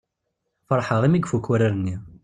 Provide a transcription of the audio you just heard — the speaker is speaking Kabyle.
Feṛḥeɣ i mi ifukk wurar-nni.